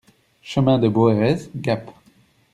Chemin Dès Boeres, Gap